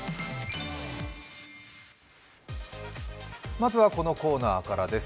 まずはこのコーナーからです。